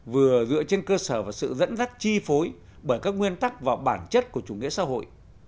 vừa dựa trên cơ sở và sự dẫn dắt chi phối bởi các nguyên tắc và bản chất của chủ nghĩa xã hội